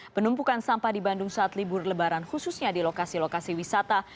penumpukan sampah di bandung saat libur lebaran khususnya di lokasi lokasi wisata